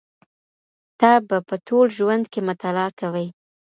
ته به په ټول ژوند کي مطالعه کوې.